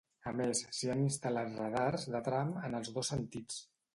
A més, s’hi han instal·lat radars de tram en els dos sentits.